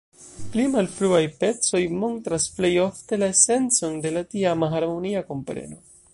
Pli malfruaj pecoj montras plej ofte la esencon de la tiama harmonia kompreno.